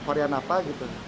varian apa gitu